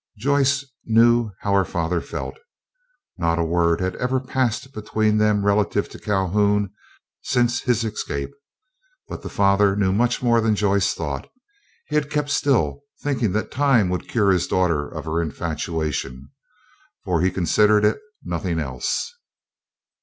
Joyce knew how her father felt. Not a word had ever passed between them relative to Calhoun since his escape; but the father knew much more than Joyce thought. He had kept still, thinking that time would cure his daughter of her infatuation, for he considered it nothing else.